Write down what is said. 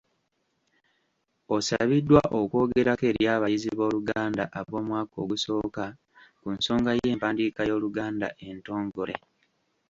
Osabiddwa okwogerako eri abayizi b’oluganda ab’omwaka ogusooka ku nsonga y’empandiika y’Oluganda entongole.